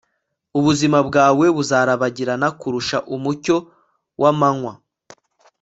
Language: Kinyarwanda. ubuzima bwawe buzarabagirana kurusha umucyo w'amanywa